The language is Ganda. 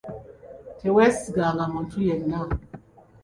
Teweesiganga omuntu yenna.